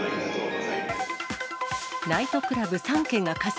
ナイトクラブ３軒が火災。